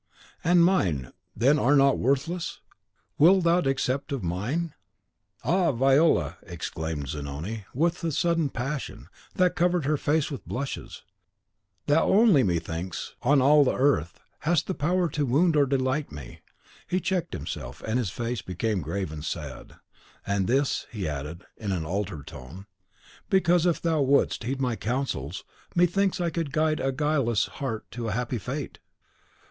"And mine, then, are not worthless? Thou wilt accept of mine?" "Ah, Viola!" exclaimed Zanoni, with a sudden passion, that covered her face with blushes, "thou only, methinks, on all the earth, hast the power to wound or delight me!" He checked himself, and his face became grave and sad. "And this," he added, in an altered tone, "because, if thou wouldst heed my counsels, methinks I could guide a guileless heart to a happy fate."